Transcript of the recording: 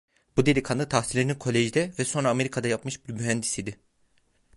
Bu delikanlı, tahsilini kolejde ve sonra Amerika'da yapmış bir mühendis idi.